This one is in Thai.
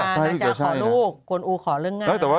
นาจ้าขอลูกกวนอู๋ขอเรื่องงาน